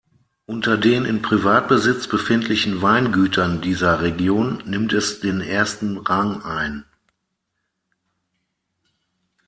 Unter den in Privatbesitz befindlichen Weingütern dieser Region nimmt es den ersten Rang ein.